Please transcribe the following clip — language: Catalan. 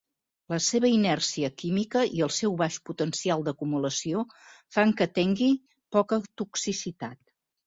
La seva inèrcia química i el seu baix potencial d'acumulació fan que tengui poca toxicitat.